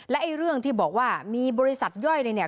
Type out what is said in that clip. ไอ้เรื่องที่บอกว่ามีบริษัทย่อยเลยเนี่ย